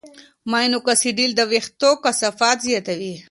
ماینوکسیډیل د وېښتو کثافت زیاتوي.